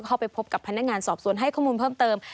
เข้าไปพบกับพนักงานสอบสวนให้ข้อมูลเพิ่มเติม